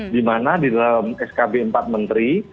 di mana di dalam skb empat menteri